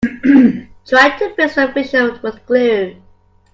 Try to fix that fissure with glue.